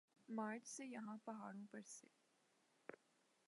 مارچ سے یہاں پہاڑوں پر سے